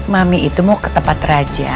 mami itu mau ke tempat raja